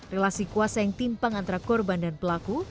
relasi kuasa yang timpang antara korban dan pelaku